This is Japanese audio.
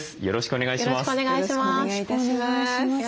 よろしくお願いします。